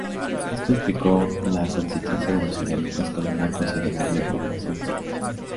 Esto implicó la coexistencia de los israelitas con una considerable población siria.